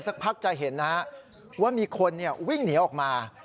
สักพักจะเห็นว่ามีคนวิ่งหนีออกมา